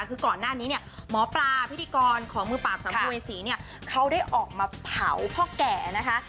คือก่อนหน้านี้เนี่ยหมอปลาพิธีกรของมือปราบสัมภเวษีเนี่ยเขาได้ออกมาเผาพ่อแก่นะคะ